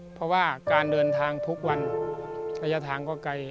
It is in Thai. เพราะว่าการเดินทางทุกวันระยะทางก็ไกล